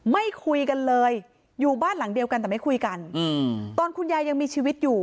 ไม่คุยกันเลยอยู่บ้านหลังเดียวกันแต่ไม่คุยกันตอนคุณยายยังมีชีวิตอยู่